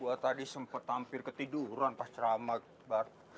gue tadi sempet hampir ketiduran pas ceramah bar